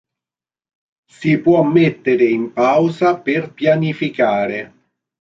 Si può mettere in pausa per pianificare.